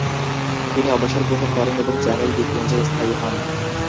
তিনি অবসর গ্রহণ করেন এবং চ্যানেল দ্বীপপুঞ্জে স্থায়ী হন।